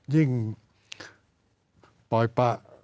ยิ่งปล่อยปะ